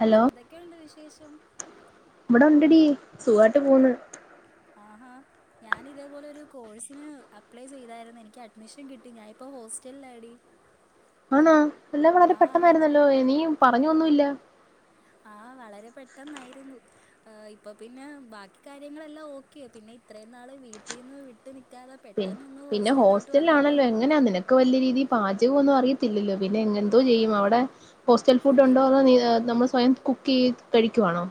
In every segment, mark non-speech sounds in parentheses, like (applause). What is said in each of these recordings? hello ഇതൊക്കെയുണ്ട് വിശേഷം ഇവിടെ ഉണ്ടടി സുഖാട്ട് പോന്ന് ആഹാ ഞാന ഇതേപോലെ ഒരു കോഴ്സിന് അപ്ലൈ ചെയ്തായിരുന്നു എനിക്ക് അഡ്മിഷൻ കിട്ടി ഞാന ഇപ്പോ ഹോസ്റ്റൽ ലാടി ആണാ എല്ലാം വളരെ പെട്ടെന്നായിരുന്നല്ലോ ഇനീ പറഞ്ഞൊന്നല്ല ആ വളരെ പെട്ടെന്നായിരുന്നു ഇപ്പൊ പിന്നെ ബാക്കി കാര്യങ്ങളെല്ലാം ഓക്കെയ പിന്നെ ഇത്രയും നാള് വീട്ടിൽ നിന്ന് വിട്ട പിന്നെ വന്നപ്പോൾ ഹോസ്റ്റലാണല്ലോ എങ്ങനാ നിനക്ക് വലിയ രീതിയിൽ പാചകം ഒന്നും അറിയത്തില്ലല്ലോ പിന്നെ ആ എന്തോ ചെയ്യും അവിടെ ഹോസ്റ്റൽ ഫുഡ് ഉണ്ടോ ഫുഡിൻ്റെ അതോ നമ്മൾ സ്വയം കുക്ക് ചെയ് കഴിക്കുവാണോ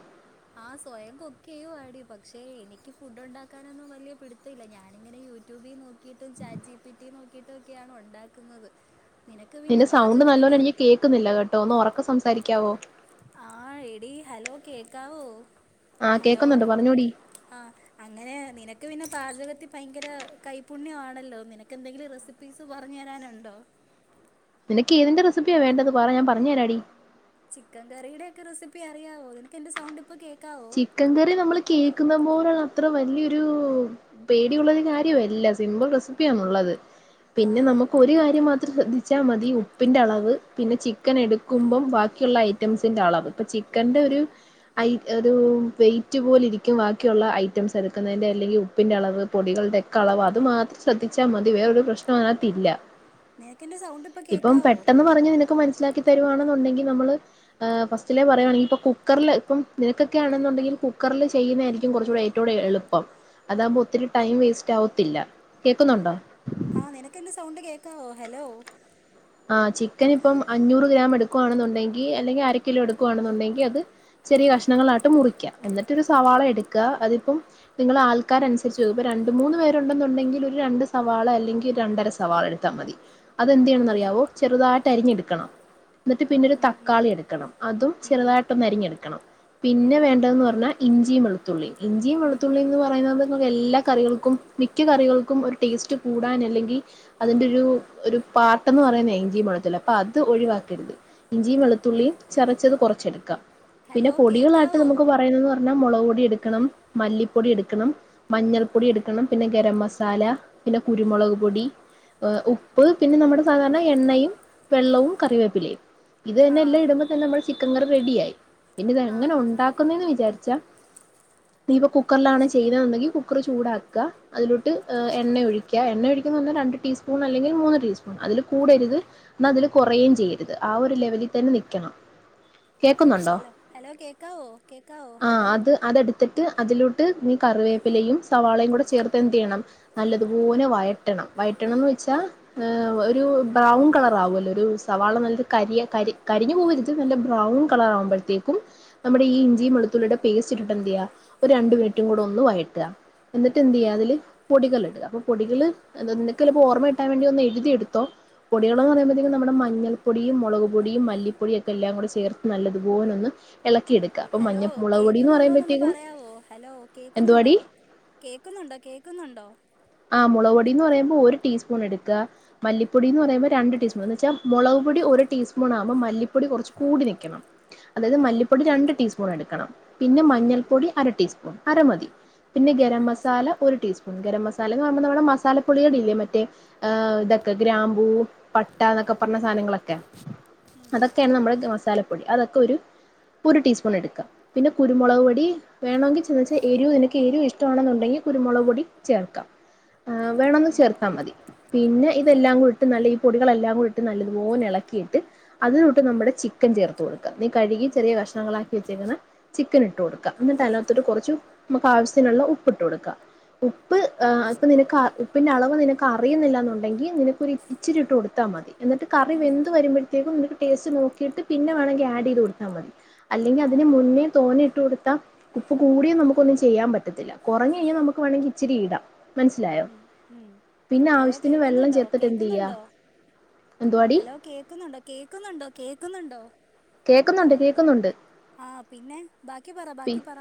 ആഹ സ്വയം കുക്ക് ചെയ്യുവാടിയ പക്ഷെ എനിക്ക് ഫുഡ് ഉണ്ടാക്കാനൊന്നും വലിയ പിടിത്തമില്ല ഞാനിങ്ങനെ യ റ്റുബി നോക്കിയിട്ടും ചാറ്റ് ജിപീടീ നോക്കിയിട്ടും ഒക്കെയ ആണ ഉണ്ടാക്കുന്നത് നിനക്ക് പിന്നെ നിന്റെ സൗണ്ട് നല്ലോലെ പാചകത്തില് എനിക്ക് കേൾക്കുന്നില്ല കേട്ടോ ഒന്ന് ഉറക്കെ സംസാരിക്കാവോ ആ എടി ഹലോ കേക്കാവോ ആ ഹലോ കേൾക്കുന്നുണ്ട് പറഞ്ഞോടി ആഹ അങ്ങനെ നിനക്ക് പിന്നെ പാചകത്തി ഭയങ്കര കൈപുണ്യമാണല്ലോ നിനക്ക് എന്തെങ്കിലും റെസിപ്പീസ് പറഞ്ഞു തരാനുണ്ടോ നിനക്ക് ഏതിന്റെ റെസിപ്പിയാ വേണ്ടത് പറ ഞാൻ പറഞ്ഞുതരാടി ചിക്കൻ കറിയുടെ ഒക്കെ റെസിപ്പി അറിയാവോ നിനക്ക് എന്റെ സൗണ്ട് ഇപ്പോൾ കേൾക്കാവോ ചിക്കൻ കറി നമ്മള് കേക്കുന്ന പോലുള്ള അത്ര വലിയൊരു പേടിയുള്ളതി കാര്യമല്ല സിമ്പിൾ റെസിപ്പിയണുള്ളത് ആ പിന്നെ നമുക്ക് ഒരു കാര്യം മാത്രം ശ്രദ്ധിച്ചാൽ മതി ഉപ്പിന്റെ അളവ് പിന്നെ ചിക്കൻ ആ എടുക്കുമ്പം ബാക്കിയുള്ള ഐറ്റംസിന്റെ ആളാവും ഇപ്പ ചിക്കന്റെ ഒരു ഐ ഒരു വെയിറ്റ് പോല ഇരിക്കും ബാക്കിയുള്ള ഐറ്റംസ് എടുക്കുന്നതിൻന്റെ അല്ലെങ്കിൽ ഉപ്പിന്റെ അളവ് പൊടികളുടെയ ഒക്കെവ അളവ് അത് മാത്രം ശ്രദ്ധിച്ചാൽ മതിവേറ ഒരു പ്രശ്ന അകത്തില്ല നിനക്കെൻ്റെ സൗണ്ട് ഇപ്പോൾ ഇപ്പം കേൾക്കാവോ പെട്ടെന്ന് പറഞ്ഞ് നിനക്ക് മനസ്സിലാക്കി തരുവാണെന്നുണ്ടെങ്കിൽ നമ്മള് ഫസ്റ്റില പറയയാണെങ്കിൽ ഇപ്പ കുക്കറില് ഇപ്പം നിനക്കൊക്കെ ആണെന്നുണ്ടെങ്കിൽ കുക്കറിൽ ചെയ്യുന്നതായിരിക്കും കുറച്ചുകൂടെ ഏറ്റവുടെ എളുപ്പം അതാകുമ്പോ ഒത്തിരി ടൈം വേസ്റ്റ് ആവത്തില്ല കേൾക്കുന്നുണ്ടോ ആ നിനക്ക എന്റെ സൗണ്ട് കേക്കാവോ ഹലോ ആ ചിക്കൻ ഇപ്പം അഞ്ഞൂറ് ഗ്രാം എടുക്കുവാണെന്നുണ്ടെങ്കിൽ അല്ലെങ്കിൽ അര കിലോ എടുക്കുവാണെന്നുണ്ടെങ്കിൽ അത് ചെറിയ കഷ്ണങ്ങൾ ആയിട്ട് മുറിക്കുക എന്നിട്ടരു സവാള എടുക്കുക അതിപ്പോ നിങ്ങൾ ആൾക്കനുസരിച്ചു ഇപ്പം രണ്ട്, മൂന്ന് പേരുണ്ടെന്നുണ്ടെങ്കിൽ ഒരു രണ്ട് സവാള് അല്ലെങ്കിൽ രണ്ടര സവാള എടുത്താൽ മതി അതെന്ത് ഉം ചെയ്യണംന്ന്റിയാം ചെറുതായിട്ട് അരിഞ്ഞെടുക്കണം എന്നിട്ട് പിന്നെരു ഉം ഉം തക്കാളി എടുക്കണം അതും ഉം ചെറുതായിട്ടൊന്ന് അരിഞ്ഞെടുക്കണം ഉം പിന്നെ വേണ്ടന്ന് പറഞ്ഞാൽ ഇഞ്ചിയ വെളുത്തുള്ളി ഇഞ്ചിയ ഉം വെളുത്തുള്ളി എന്ന് പറയുന്നത് എല്ലാ കറികൾക്കും മിക്ക കറികൾക്കും ഒരു ടേസ്റ്റ് കൂടാൻ അല്ലെങ്കിൽ അതിൻ്റെ ഒരു ഒരു പാട്ടന്ന് പറയുന്ന ഇഞ്ചിയും വെളുത്തുള്ളി അപ്പൊ അത് ഒഴിവാക്കരുത് ഇഞ്ചിയും വെളുത്തുള്ളിയും ചതച്ചത് കുറച്ചെടുക്കാം പിന്നെ ഹലോ പൊടികളായിട്ട് കേക്കാവോ നമുക്ക് പറയുന്നന്ന് പറ പിന്നെ മുളക് പൊടി എടുക്കണം മല്ലിപ്പൊടി എടുക്കണം മഞ്ഞൾപ്പൊടി എടുക്കണം പിന്നെ ഗരം മസാല പിന്നെ കുരുമുളക് പൊടി ഉപ്പ് പിന്നെ നമ്മുടെ സാധാരണ എണ്ണയും വെള്ളവും കറിവേപ്പിലേ ഇത് തന്നെ എല്ലാം ആഹ് ഇടുമ്പ തന്നെ നമ്മൾ ചിക്കൻകറി റെഡിയായി പിന്നെ ഇത് എങ്ങനെ ആഹ് ആഹ് ഉണ്ടാക്കുന്നന്ന് വിചാരിച്ചാ ഇയിപ്പ കുക്കറിലാണ് ചെയ്യുന്നുണ്ടെങ്കിൽ കുക്കർ ചൂടാക്കുക അതിലോട്ട് എണ്ണ ഒഴുക എണ്ണ ഒഴിക്കുന്ന രണ്ട് ടീസ്പൂൺ അല്ലെങ്കിൽ മൂന്ന് ടീസ്പൂൺ അതി കൂടരുത് എന്ന അതില് കുറയും ചെയ്യരുത് ആ ഒരു ലെവലിൽ തന്നെ നിക്കണം ഹലോ ഹലോ കേൽകാവോ കേൽകാവോ ഹലോ ത്തിട്ട് അതിലോട്ട് ന കറിവേപ്പിലയും സവാളയും കൂടെ ചേർത്ത് എന്ത് ചെയ്യണം നല്ലതുപോലെ വയട്ടണം വട്ടണംന്ന് വെച്ചാൽ ഒരു ബ്രൗൺ കളറാവകല്ലോ ഒരു സവാള നല്ല കരി ക കരിഞ്ഞു പോവരു നല്ല ബ്രൗൺ കളർ ആകുമ്പ നമ്മുടെ ഈ ഇഞ്ചിയ വെളുത്തുള്ളിയുടെ പേസ്റ്റ് ഇട്ടിട്ട് എന്ത് ചെയ്യാ ഒരു രണ്ട മിനിറ്റും കൂടെ ഒന്ന് വഴറ്റുക എന്നിട്ട് എന്ത് ചെയ്യാ അതില് പൊടികളിണ്ട് അപ്പൊ പൊടികള് എന്ത ചിലപ്പോ ഓർമ്മ ഇട്ടാൻ വണ്ടി ഒന്ന് എഴുതിയടുു ത്തോ പൊടികളെന്ന് പറയുമ്പഴത്തേക്കും നമ്മുടെ മഞ്ഞൾപ്പൊടിയും മുളക് പൊടും മല്ലപ്പൊടുംക്കെല്ലാടെ ചേർത്ത് നല്ലതുപോലൊന്നും ഇളക്കിടുക്ക ഹലോ കേക്കുന്നുണ്ടോന്ന് ഒന്ന് പറയാവോ ഹലോ കേക്കുന്നുണ്ടോ എന്തുവാടി കേക്കുന്നുണ്ടോ കേക്കുന്നുണ്ടോ ആ മുളക് പൊടി എന്ന് പറയുമ്പോ ഒരു ടിസ്പൂൺ എടുക്കുക മല്ലിപ്പൊടി എന്ന് പറയുമ്പോ രണ്ട് ടിസ്പൂൺ എന്ന് വെച്ചാ മുളക് പൊടി ഒരു ടീസ്പൂൺ ആകപോ മല്ലിപ്പൊടി കുറച്ച് കൂടി നൽക്കണം അതായത് ഉം മല്ലിപ്പൊടി രണ്ട് ടീസ്പൂൺ എടുക്കണം പിന്നെ ഉം മഞ്ഞൾപ്പൊടി അര ടീസ്പൂൺ അരമതി പിന്നെ ഗരം ഉം മസാല ഒരു ടീസ്പൂൺ ഗരം മസാല സാലന്ന് പറഞ്ഞ നമ്മടെ മസാലപ്പൊളികളല്ലേ മറ്റേ ഇതൊക്കെ ഗ്രാമ്പൂ പട്ട എന്നൊക്കെ പറഞ്ഞ സാധനങ്ങളൊക്കെ അതൊക്കെയാണ് നമ്മുടെ മസാലപ്പൊടി അതൊക്കെ ഒരു ഒരു ടീസ്പൂൺ എടുക്കാം പിന്നെ കുരുമുക് ഉം പൊടി വേണമെങ്കിൽ ചെന്ന വച്ചാൽ എരിവും എനിക്ക് എരിവും ഇഷ്ടം ഇഷമാണെന്നുണ്ടങ്കിൽ കുരുമുളക് പൊടി ചേർക്കാം ആ് വേണന്ന് ഉം ചേർത്താ മതി പിന്നെ ഇതെല്ലാം കൂടിട്ട് നല്ല ഈ പൊടികളെല്ലാം കൂടി ഇട്ട് നല്ലത്പോലെ ഇളക്കിയിട്ട് അതിലോട്ട് നമ്മുടെ ചിക്കൻ ചേർത്ത് കൊടുക്കും നീ കഴുകി ഉം ചെറിയ കഷ്ണങ്ങളാക്കി വെച്ചേക്കണ ചിക്കൻ ഇട്ട് കൊടുക്കാം എന്നിട്ട് അതിനകത്തോട്ട് കുറച്ച് നമുക്ക് ആവശ്യത്തിനുള്ള ഉപ്പ് ഇട്ട് കൊടുക്കാം ഉപ്പ് അപ്പം നിനക്ക് ഉപ്പിൻ്റെ അളവ് നിനക്ക് അറിയുന്നില്ല എന്നുണ്ടെങ്കിൽ നിനക്കൊരു ഇച്ചിരി ഇട്ട് കൊടുത്താൽ മതി എന്നിട്ട് കറി ഉം വെന്ത് വരുമ്പോഴത്തേക്കും നിക്ക് ടേസ്റ്റ് നോക്കിയിട്ട് പിന്നെ വേണമെങ്കിൽ ആഡ് ചെയ്ത് കൊടുത്താൽ മതി അല്ലെങ്കിൽ ആഹ് അതിന് മുന്നേ തോന്നെയിട്ട് കൊടുക്ക ഉപ്പ് കൂടിയ നമുകൊന്നും ചെയ്യാൻ പറ്റത്തില്ല കുറഞ്ഞു കഴിഞ്ഞാൽ നമുക്ക് വേണമെങ്കിൽ ഇച്ചിരി ഇടാം മനസ്സിലായോ ഉം ഉം പിന്നെ ഹലോ ആവശ്യത്തിന് വെള്ളം കേക്കുന്നുണ്ടോ ചേർത്തിട്ട് എന്ത് ചെയ്യാ കേക്കുന്നുണ്ടോ എന്തുവാടി ഹലോ കേക്കുന്നുണ്ടോ കേക്കുന്നുണ്ടോ കേക്കുന്നുണ്ടോ കേക്കുന്നുണ്ട് കേക്കുന്നുണ്ട് ആ പിന്നെ ബാക്കി പറ ബാക്കി പറ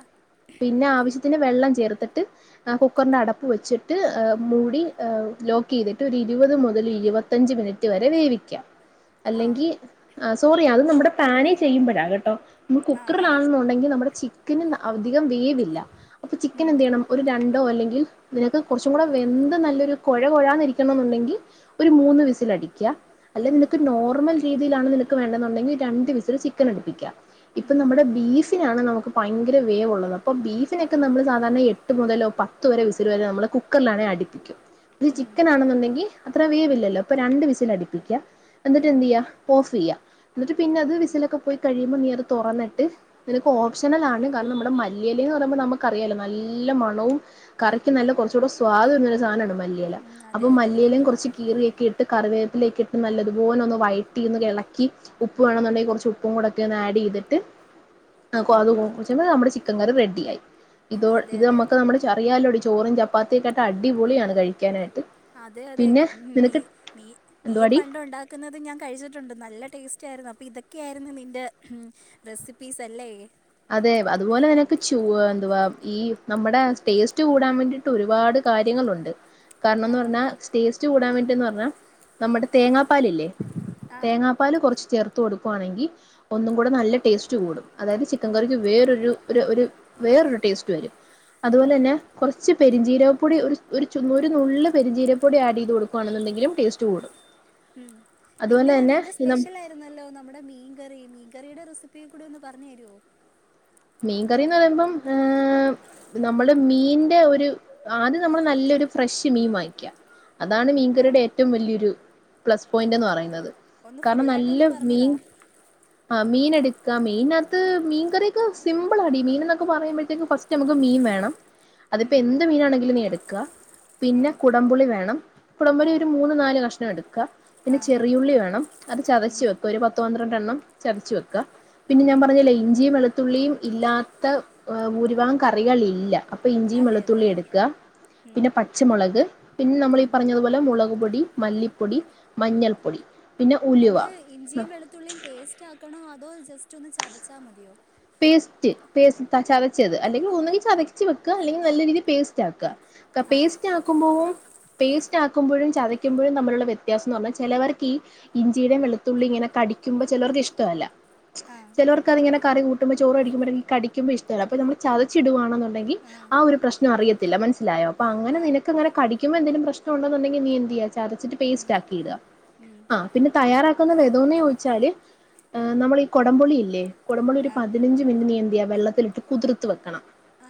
ആവശ്യത്തിന് വെള്ളം ചേർത്തിട്ട് ആ കുക്കറിഅടപ്പ് വെച്ചിട്ട് മൂടി ആ ലോക്ക് ചെയ്തിട്ട് ഒരു ഇരുപത് - ഇരുപത് മുതൽ ഇരുപത്തഞ്ച് മിനിറ്റ് വരെ വേവിക്കാം ആ അല്ലെങ്കിൽ സോറി അത് നമ്മുടെ പാനേ ചെയ്യുമ്പോഴാ കേട്ടോ നമ്മ ആ ആ കുക്കറിലാണെന്നുണ്ടെങ്കിൽ നമ്മുടെ ചിക്കന് അധികം വേവില്ല അപ്പൊ ചിക്കൻ ഉം എന്ത് ചെയ്യണം ഒരു രണ്ട് അല്ലെങ്കിൽ നിനക്ക് കുറച്ചും കൂടെ വെന്ത് നല്ലൊരു കുഴ കൊഴാനിരിക്കണം എന്നുണ്ടെങ്കിൽ ഒരു മൂന്ന് വിസിൽ അടും അല്ല ഉം നിനക്ക് നോർമൽ രീതിയിലാണ് നിനക്ക് വേണ്ടെന്നുണ്ടെങ്കിൽ രണ്ടു വിസൽ ചിക്കൻ എടുപ്പിക്കാം ഇപ്പൊ ഉം നമ്മുടെ ബീഫ് ബീഫിനാണ് നമുക്ക് ഭയങ്കര വേവുള്ളത് അപ്പോൾ ബീഫിനൊക്കെ നമ്മൾ സാധാരണ എട്ട് മുതലോ പത്ത് വരെ വിസിൽ വരെ നമ്മൾ കുക്കറിലാണ അടിപ്പിക്കും ഒരു ഉം ചിക്കൻ ആണെന്നുണ്ടെങ്കിൽ അത്ര വേവില്ലല്ലോ ഇപ്പൊ രണ്ട് വിസിൽ അടിപ്പിക്കുക എന്നിട്ട് എന്ത് ചെയ്യ പോഫ് ചെയ്യ എന്നിട്ട് പിന്നെ അത് വിസിലൊക്കെ പോയി കഴിയുമ്പോ നീർ തുറന്നിട്ട് നിക്ക് ഓപഷണൽആണു കാരണം നമ്മുടെ മല്ലിയെല നമ്മക്കറിയാലോ നല്ല മണവും കറി ക്ക് നല്ല കുറച്ചൂ സ്വാദം വരു സാധന ഉം അതെ അതെ അതെ (inaudible) ട്ട് കറിവേത്തിലേക്ക ഇട്ട് നല്ലതുപോലെ ഒന്ന് വയറ്റിന്ന് ഇിളക്കി ഉപ്പ് വേണമെന്നുണ്ടെങ്കിൽ കുറച്ച് ഉപ്പും കൂടെ ഒക്കെ ഒന്ന് ആഡ് ചെയ്തിട്ട് ആ അ നമ്മുടെ ചിക്കൻ കറി റെഡി ആയി ഇതോ അതെ ഇത് അതെ നമുക്ക് നമ്മുടെ ചെറിയാലോടി ചോറും ചപ്പാത്തിയ ഒക്കെട്ട് അടിപൊളിയാണ് കഴിക്കാനായിട്ട് അതെ അതെ പിന്നെ നീ നിനക്ക് നീ നീ എന്തുവാടി പണ്ട ഉണ്ടാക്കുന്നത് ഞാൻ കഴിച്ചിട്ടുണ്ട് നല്ല ടേസ്റ്റ് ആായിരുന്നു അപ്പൊ ഇതൊക്കെയ ആയിരുന്നു നിന്റെ റെസിപ്പീസ് അല്ലേ അതെ അതുപോലെ നിനക്ക് ചൂ എന്തുവാ ഈ നമ്മുടെ ടേസ്റ്റ് കൂടാൻ വേണ്ടിട്ട് ഒരുപാട് കാര്യങ്ങളുണ്ട് ആ കാരണംന്ന് പറഞ്ഞാ ടേസ്റ്റ് കൂടാൻ വേണ്ടിന്ന് പറഞ്ഞാ നമ്മുടെ തേങ്ങാപ്പാലല്ലേ ആ തേങ്ങാപ്പാൽ കുറച്ച് ചേർത്ത് കൊടുക്കുവാണെങ്കിൽ ഒന്നും കൂടെ നല്ല ടേസ്റ്റ് കൂടും അതായത് ഉം റി വേറ വേറരു ടേസ്റ്റ് വരും ഉം അതുപോലെ തന്നെ കുറച്ച് പെരിഞ്ചീരപ്പൊടി ഒരു ഒരു ഒരു നുള് പെരിചീരപ്പൊടി ആഡ് ചെയ്ത് കൊടുക്കുയാണെന്നുണ്ടെങ്കിലും ടേസ്റ്റ് കൂടും ഉം അതുപോലെ പിന്നെ തന്നെ നിന്റെ ഈ നമ്മ സ്പെഷ്യൽ ആയിരുന്നല്ലോ നമ്മുടെ മീൻകറി മീൻകറിയുടെ റെസിപ്പി അപ്പ കൂടി ഒന്ന് പറഞ്ഞു തരുവോ മീൻകറിന്ന് പറയുമ്പം നമ്മള് മീന്റെ ഒരു ആദ്യം നമ്മൾ നല്ല ഫ്രഷ് മീൻ വാങ്ങിക്കുക അതാണ് ആ മീൻകറിയടെ ഏറ്റവും വലിയരു പ്ലസ് ആ പോയിന്റ്ന്ന് പറയുന്നത് ഒന്ന് കാരണം നല്ല ഫുള്ളായിട്ടൊന്ന് പറഞ്ഞുതാ മീൻ ആ മീന എടുക്ക മീയിനകത്ത് മീൻ കറി സിമ്പിൾ അടി മീൻ എന്നൊക്കെ പറയുമ്പോഴത്തേക്ക് ഫസ്റ്റ് നമുക്ക് മീൻ വേണം അതിപ്പോ ഉം എന്ത് മീനാണെങ്കിലും എ പിന്നെ ആ കുടംപുളി വേണം ആ കുടംപുളി ഒരു മൂന്ന് നാല് കഷണം എടുക്ക പിന്നെ ആ ചെറിയുള്ളി വേണം അത് ചതച്ച ഉം വെക്കാ ഒരു പത്ത പന്ത്രണ്ടെണ്ണം ചതച്ച വെക്കാ പിന്നെ ഞാൻ ഉം പറഞ്ഞലെ ഇഞ്ചിയും വെളുത്തുള്ളിയും ഇല്ലാത്ത് ഭൂരിഭാഗം കറികള ഇില്ല അപ്പൊ ഇഞ്ചിയും അതെ അതെ വെളുത്തുള്ളി എടുക്കുക ഉം പിന്നെ പച്ചമുളക് പിന്നെ നമ്മൾ ഈ ഉം പറഞ്ഞതുപോലെ മുളക് പൊടി പൊടി മല്ലിപ്പൊടി മഞ്ഞൾപ്പൊടി പിന്നെ ഉലുവ നമ്മള് ഇഞ്ചിയും വെളുത്തുള്ളിയും പേസ്റ്റ് ആക്കണോ അതോ ജസ്റ്റ് ഒന്ന് ചതച്ചാ മതിയോ പേസ്റ്റ് പേസ് ആ ചതച്ചത് അല്ലെങ്കിൽ ഒന്നുകിൽ ചതച്ച വെക്കുക അല്ലെങ്കിൽ നല്ല രീതിയിൽ പേസ്റ്റ് ആക്കുക ആ പേസ്ി ആക്കുമ്പോ പേസ്റ്റ് ആക്കുമ്പോഴും ചതക്കുമ്പോഴും തമ്മിലുള്ള വ്യത്യാസം എന്ന് പറഞ്ഞാൽ ചിലവർക്ക് ഈ ഇഞ്ചിയുടെ വെളുത്തുള്ളി ഇങ്ങനെ കടിക്കുമ്പോ ചിലർക്ക് ഇഷ്ടമല്ല ആ ചിലവർക്ക് അതിങ്ങനെ കറി കൂട്ടുമ്പോ ചോ അടിക്കുമ്പോഴ കടിക്ക്പോ ഇഷ്ടല്ല അൊ നമ്മള് ചതച്ചിടവാണ ണ്ടെങ്കിൽ ആ ഒരു പ്രശ്ന അറത്തില്ല മനസ്സിലായോ അൊ ആ ആ അനെ ആ നിനക്കങ്ങനെ കിക്കുമ്പോ എന്തെും െ നീ ചെയ്യ പേ ഉം ആിട ഉം പിന്നെ തയ വതോന്ന് ചോദിച്ചാല് നമ്മള ഈ കുടംപൊളി ഇല്ലെടംപൊളി ഒരു ആ പതിനഞ്ച് മിനിറ്റ് നീന്തിയാ വെള്ളത്തിലിട്ട് കുതിർ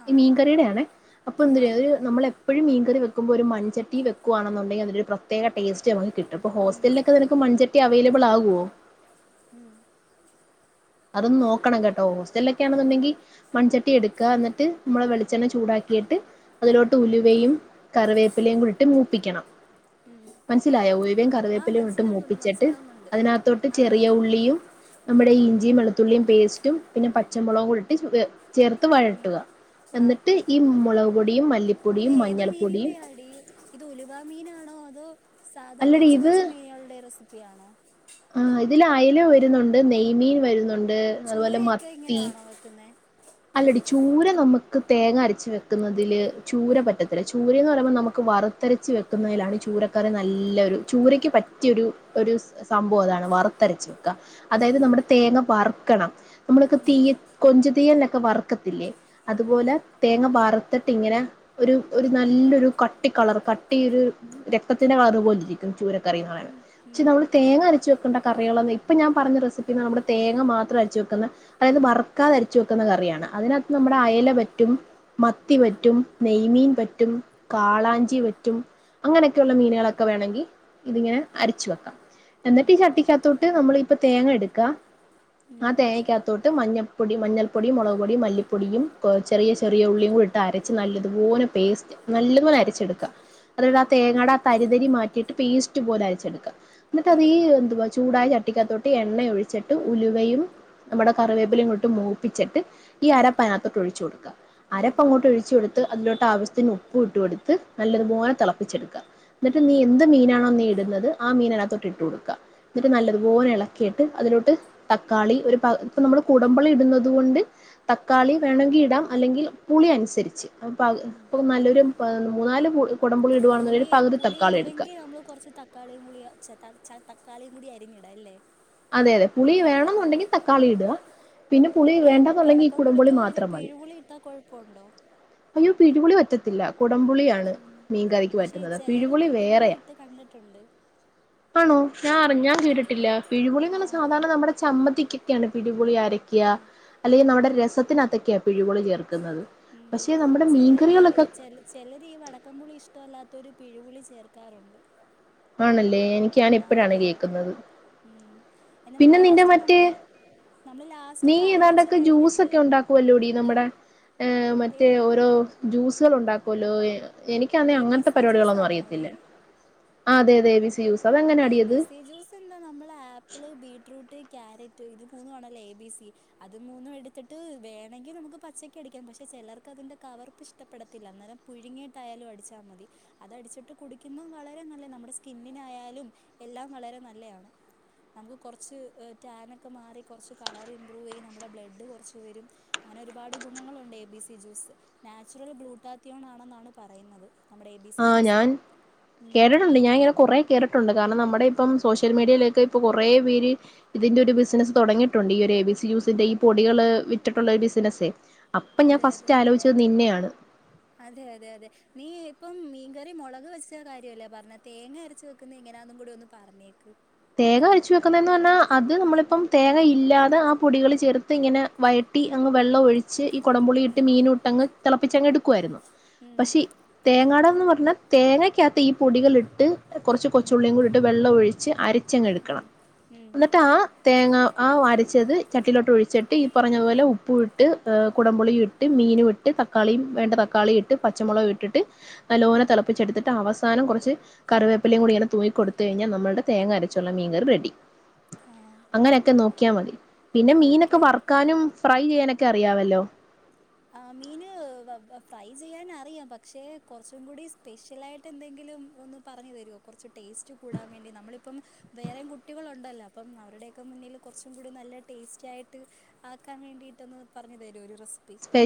ആ മീൻകറ അ ആ എ നഴും വെുമ്പോ ഒരുൺചട്ടി വെക്കുണുണ്ടെിൽതിൊ ഒരു പ്രത്യേകടേസ്റ്റ് നമു കിട്ടുംപ്പോ ഉം ഹോസ്റ്റലൊക്കെ നിനക്ക് മൺചട്ടി അവൈലബിൾ ആകുവോ ഹം അതൊന്ന് നോക്കണം കേട്ടോ ഉം ഹോസ്റ്റലൊക്കെയാണെന്നുണ്ടെങ്കിൽ മൺ എടു എന്നിട്ട് നമ്മളെ വെളിച്ചെണ്ണ ചൂടാക്കിയിട്ട് അതിലോട്ട് ഉം ഉലുവയും കറി പ്പിലും കൂടിട്ട് മൂപ്പിക്കണം ഉം മനസിലായ ഒഴിവും ആ കറിവേപ്പില ഇട്ട് മനസ്സിലാവുന്നുണ്ട് മൂപ്പിച്ചിട്ട് മനസ്സിലാവുന്നുണ്ട് അതിനകത്തോട്ട് ആ ചെറിയ ഉള്ളിയും നമ്മുടെഈ ഇഞ്ചിയും വെളുത്തുള്ളിയും പേസ്റ്റും പിന്നെ പച്ചമുളക കൂടി ഇട്ട് ചേർത്ത് ഉം വഴട്ടുക ആ എന്നിട്ട് ഈ മുളക് പൊടിയും മല്ല ഇത് ഏത് മീനിന്റെ അടി ഇത് ഉലുവ മീനാണോ അതോ സാധാ അല്ലടി കൊച്ചു ഇത് കൊച്ചു മീനളുടെ റെസിപ്പിയാണോ ആ ഇതിൽ അയല വരുന്നുണ്ട് നെയ്മീൻ വരുന്നുണ്ട് ചൂര അതുപോലെ ഒൊക്കെ മത്തി ഇങ്ങനെയാണോ വക്കുന്ന അല്ലടി ചൂര നമുക്ക് തേങ്ങ അരച്ച വെക്കുന്നതില് ചൂര പറ്റത്തില്ല ചൂരന്ന് പറയുമ്പോ നമുക്ക് വറുത്തെരച്ച് വെക്കുന്നതിലാണ് ചൂരക്കാർെ നല്ല ഒരു ചൂരയ്ക്ക് പറ്റിയൊരു ഒരു സംഭവം അതാണ് വറുത്തര വെക്ക അതായത് ഉം നമ്മുടെ തേങ്ങ വറുക്കണം നമ്മള തീ ഉം കൊഞ്ു തീ വറക്കത്തില്ലേ ഉം അതുപോലെ തേങ്ങ ത്തിട്ട് ഇങ്ങനെ ഒരു നല്ലൊരു കട്ടി കളർ കട്ടി ഒരു രക്തത്തിന്റെ കളർ പോലെരിക്കും ചൂര കറ പറ ഉം ഉം പക്ഷെ നമ്മള് തേങ്ങ അരച്ച ണ്ട കറികൾ ഇപ്പ ഞാൻ പറഞ്ഞ റെസിപ്പി നമ്മുടെ തങ്ങ മാത്രം അച്ച വെക്ക അതായത് വറുക്കത അരിച്ച് വെക്ക ുന്ന കറിയാണ് അതിനകത്ത് നമ്മുടെ ആ അയല പറ്റും മത്തി വറ്റും നെയ്മീൻ പറ്റും കാളാഞ്ചി വറ്റും അങ്ങനെയൊക്കെയുള്ള മീനുകളൊക്കെ വേണങ്കിൽ ഇതിങ്ങനെ ഉം അരച്ച് വെക്കാം ഉം എന്നിട്ട് ഈ ചട്ടിക്കകത്തോട്ട് നമ്മൾ ഇപ്പ തേങ്ങ എടുക്കുക ഉം ആ തേങ്ങക്കകത്തോട്ട് മഞ്ഞൾപ്പൊടി മഞ്ഞൾ പൊടി മുളക് പൊടി മല്ലിപ്പൊടിയും ചെറിയ ചെറിയ ഉള്ളിയും നല്ലതു പോലെ പേസ്റ്റ് അരച്ചെടുക്കാം അതല ആ ഉം തേങ്ങാട ആ തരിതരി മാറ്റിയിട്ട് പേസ്റ്റ് പോലെ അരച്ചെടുക്കുക എന്നിട്ട് അതീ ഉം എന്തുവാ ചൂടായ ചട്ടി ചട്ടിക്കകത്തോട്ട്എണ്ണ ഒഴിച്ചിട്ട് ഉലുവയും നമ്മുടെ കറിവേപ്പിലയും അങ്ങോട്ട് മൂപ്പി പ്പിച്ചിട്ട് ഈ അരപ്പ് അതിനകത്തോട്ട് ഒഴിച്ചു കൊടുക്കുക ഉം അരപ്പ് അങ്ങോട്ട് ഒഴിച്ചു കൊടുത്ത് ത്ത് അതിലോട്ട് ആവ്യശ്യത്തിന് ഉപ്പ് ഇട്ട് കൊടുത്ത് നല്ലതുപോലെ തിളപ്പിച്ചെടുക്കുക എന്നിട്ട് ഉം നീ എന്ത് മീനാണോ നീ ഇടുന്നത് ആ മീനകത്തൊട്ട് ഇട്ട് കൊടുക്ക എന്നിട്ട് ഉം നല്ലത്പോലെ ഇളക്കിട്ട് അതിലോട്ട് തക്കാളി ഒരു പകുതി ഇപ്പ നമ്മൾ കുടമ്പുളി ഇടുന്നത് കൊണ്ട് അതുകൊണ്ട് തക്കാളി വേണങ്കിൽ ഇടാം അല്ലെങ്കിൽ പുളി അനുസരിച്ച് ഉം ഇപ്പ നല്ലൊരു മൂന്നാല് കുടമ്പുളി ഇടുകയാണെന്നുണ്ടെങ്കിൽ പുളി ഒരു പകുതി പുളി തക്കാളി എടുക്കുക ഇല്ലെങ്കിൽ നമ്മള് കൊറച്ച് തക്കാളിയും കുടീചേർത്താ ച തക്കാളിയും കൂടി അരിഞ്ഞിടാ അല്ലേ അതെ അതെ പുളി ആ വേണെന്നുണ്ടെങ്കിൽ തക്കാളി ഇടുക പിന്നെ പുളി എടീ വേണ്ടെന്നുണ്ടെങ്കിൽ ഈ കുടംപുളി വടക്കംപുളിക്ക് പകരം മാത്രം മതി പിഴുപുളി ഇട്ടാ കൊഴപ്പുണ്ടോ അയ്യോ പിഴിപുളി പറ്റത്തില്ല കുടംപുളിയാണ് ഉം മീൻകറിക്ക് പക്ഷേ പറ്റുന്നത് ചിലർ പിഴുപുളി വേറെയാ ഇട്ട് കണ്ടിട്ടുണ്ട് ആണോ ഞാൻ അറിഞ്ഞാൻ കേട്ടട്ടില്ല പിഴിപുളി ആ എന്നുള്ള സാധാരണ നമ്മുടെ ചമ്മന്തിക്കൊക്കെയാണ് പുളി അരയ്ക്കാ ആ അല്ലെങ്കിൽ ഉം നമ്മുടെ രസത്തിന് അതൊക്കെയാ പിഴിപുളി ചേർക്കുന്നത് ഉം പക്ഷെ നമ്മുടെ ചിലര് മീൻകറികളൊക്കെ ചിലര് ഈ വടക്കൻ പുളി ഇഷ്ടമല്ലാത്തവര് ത്തൊരു പിഴു പുളി ചേർക്കാറുണ്ട് ആണല്ലേ എനിക്കാ ൻ ആഹ് ഇപ്പോഴാണ് അതെ അതെ കേക്കുന്നത് ഉം എന്നിട്ട് ലാസ്റ്റ് നമ്മള് നമ്മള് ലാസ്റ്റ് നീ കറി വെച്ച് ഏതാണ്ടൊക്കെ ജ്യൂസ് കഴിഞ്ഞിട്ട് ഒക്കെ ഉണ്ടാക്കുവല്ലോടി നമ്മുടെ ഹ് എ മറ്റേ ഓരോ ജൂസ് ഉണ്ടാക്കുമല്ലോ എനിക്കാണെ എ ബി അങ്ങനത്തെ സി പരിപാടികളൊന്നും അറിയത്തില്ല ജ്യൂസാണോടി അതെതെ എ ബി സി ജ്യൂസ് എന്താ നമ്മൾ ആപ്പിള് ബീട്രൂട്ട് ക്യാരറ്റ് ഇത് മൂന്നുമാണല്ലോ എ ബി സി അത് മൂന്നും എടുത്തിട്ട് വേണെങ്കിൽ നമുക്ക് പച്ചക്ക് അടിക്കാം പക്ഷെ ചിലർക്ക് അതിന്റെ കവർപ്പ് ഇഷ്ടപ്പെടത്തില്ല അന്നേരം പുഴുങ്ങിയിട്ടായാലും അടിച്ചാൽ മതി അത് അടിച്ചിട്ട് കുടി ക്കുമ്പോൾ വളരെ നല്ല നമ്മുടെ സ്കിന്നിനായാലും എല്ലാം വളരെ നല്ലതാണ് നമുക്ക് കുറച്ച് ടാനൊക്കെ മാറി കുറച്ച് കളർ ഇമ്പ്രൂവ് ചെയ്യും നമ്മുടെ ബ്ലഡ് കുറച്ച് വരും അങ്ങനെ ഒരുപാട് ഗുണങ്ങളുണ്ട് A B C juice natural glutathione ആണെന്നാണ് പറയുന്നത് നമ്മുടെ എ ബി ആ സി ജ്യൂസേ ഞാൻ ഉം കേട്ടിട്ടുണ്ട് ഞാൻ ഇങ്ങനെ കൊറെ കേട്ടിട്ടുണ്ട് കാരണം നമ്മുടെ ഇപ്പം സോഷ്യൽ മീഡിയയിലേക്ക് ഇപ്പോ കുറേ പേര് ഇതിന്റെ ഒരു ബിസിനസ്സ് തുടങ്ങിട്ടുണ്ട് ഈ ഒരു എ ബി സി ജൂസ് ഈ പൊടികള് വിറ്റിട്ടുള്ള ബിസിനസെ അതെ അതെ അതെ അതെ അതെ നീ ഇപ്പം ഇ മീൻ കയറി മുളക് വെച്ച കാര്യമല്ലേ പറഞ്ഞ തേങ്ങ അരച്ചു വെക്കുന്ന എങ്ങനാണന്നും കൂടി ഒന്ന് പറഞ്ഞേക്ക് തേങ്ങ അരച്ചു വെക്കുന്നതന്ന് പറഞ്ഞാൽ അത് നമ്മളിപ്പം തേങ്ങ ഇല്ലാതെ ആ പൊടികള് ചേർത്ത് ഇങ്ങനെ വഴറ്റ കുട്ടി അങ്ങ് വെള്ളം ഒഴിച്ചി ഈ കുടമ്പുളി ഉം ഇട്ട് മീനും ഇട്ടങ്ങ് തിളപ്പിച്ചു എടുക്കുവായിരുന്നു ഉം പക്ഷെ തേങ്ങാട പറഞ്ഞാൽ തേങ്ങക്കകത്ത് ഈ പൊടികൾ ഇട്ട് കുറച്ച് ഉം കൊച്ചുള്ളിയും കൂടിട്ട് വെള്ളം ഒഴിച്ച് അരച്ച് അരച്ചങ്ങ് ഉം എടുക്കണം ഉം എന്നിട്ട് ആ തേങ്ങ ആ അരച്ചത് ചട്ടിയിലോട്ട് ഒഴിച്ചിട്ട് ഈ പറഞ്ഞതുപോലെ ഉപ്പും ഇട്ട് കുടമ്പുളി ഇട്ട് മീൻ മീനും ഇട്ട് തക്കാളിയും വേണ്ട തക്കാളി ഇട്ട് പച്ചമുളകും ഇട്ടിട്ട് നല്ലോെല ഉം തിളപ്പിച്ചെടുത്തിട്ട് അവസാനം കുറച്ച് കറിവേപ്പിലേയും കൂടി ഇങ്ങനെ തൂവി കൊടുത്ത് കഴിഞ്ഞാൽ നമ്മുടെ തേങ്ങ അര ചുള്ള മീൻ കറി റെഡി ആഹ് അങ്ങനെയൊക്കെ നോക്കിയാൽ മതി പിന്നെ ഓക്കെ മീനൊക്കെ ഓക്കെ വറുക്കാനും ഫ്രൈ ചെയ്യാനൊക്കെ അറിയാവല്ലോ ആ മീന് ഫ്രൈ ചെയ്യാൻ അറിയാം പക്ഷെ കുറച്ചും കൂടി സ്പെഷ്യലായിട്ട് എന്തെങ്കിലും ഒ പററ ടസ്റ്റ് കൂടാൻ വേണ്ടി നമ്മളപ്പം വേറെ കുട്ടികൾ ഉണ്ടല്ലോ അപ്പ അവരുടെ ുന്ന കുറും കൂടി നല്ല ടേസ്റ്റ ആയിട്ട് ആക്കാൻ വേണ്ടിട്ടൊന്ന് പറഞ്ഞു തരമ ഒരു സിി സ്പെ